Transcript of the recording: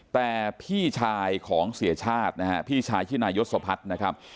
แต่พี่ชายของเสียชาตินะฮะพี่ชายชื่อนายศพัฒน์นะครับ